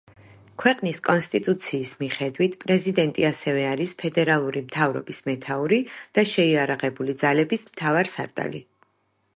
ქვეყნის კონსტიტუციის მიხედვით პრეზიდენტი ასევე არის ფედერალური მთავრობის მეთაური და შეიარაღებული ძალების მთავარსარდალი.